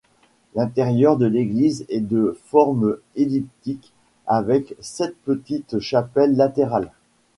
L'intérieur de l'église est de forme elliptique avec sept petites chapelles latérales.